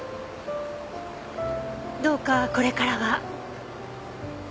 どうかこれからは。